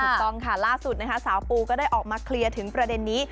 ถูกต้องค่ะล่าสุดนะคะสาวปูก็ได้ออกมาเคลียร์ถึงประเด็นนี้